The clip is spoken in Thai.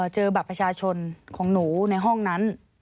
เจอบัตรประชาชนของหนูในห้องนั้น